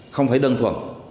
không phải đơn thuần